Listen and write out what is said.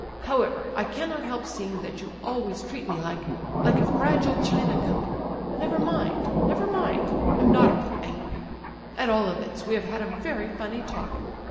However, I cannot help seeing that you always treat me like—like a fragile china cup. Never mind, never mind, I'm not a bit angry! At all events we have had a very funny talk.